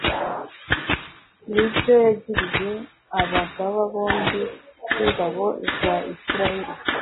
n ibyo yagiriye abagaba bombi b ingabo za Isirayeli